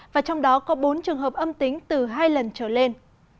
và trong đó có bốn trường hợp âm tính từ hai lần trở lên